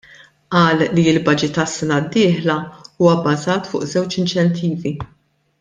Qal li l-baġit għas-sena d-dieħla huwa bbażat fuq żewġ inċentivi.